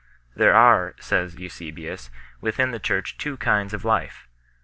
There are, says Eusebius 1 , within the Church two kinds of life.